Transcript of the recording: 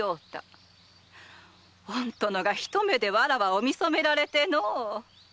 御殿がひと目でわらわを見初められてのう。